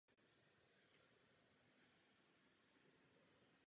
Žádosti civilního zájemce o odkoupení jednoho kusu nebylo vyhověno.